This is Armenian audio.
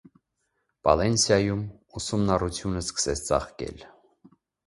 Պալենսիայում ուսումնառությունը սկսեց ծաղկել։